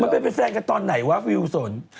ไปเป็นแฟนกันตอนไหนวะวิวสน